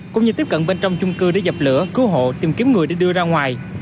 cũng như tiếp cận bên trong chung cư để dập lửa cứu hộ tìm kiếm người để đưa ra ngoài